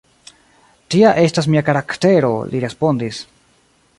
Tia estas mia karaktero, li respondis.